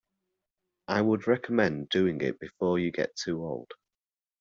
I would recommend doing it before you get too old.